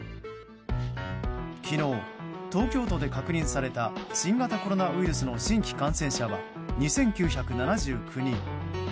昨日、東京都で確認された新型コロナウイルスの新規感染者は２９７９人。